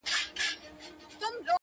پاڅه چي ځو ترې ، ه ياره،